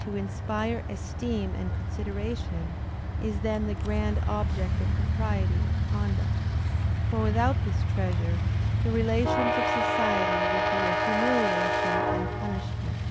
To inspire esteem and consideration, is then the grand object of propriety of conduct; for without this treasure, the relations of society would be a humiliation and punishment.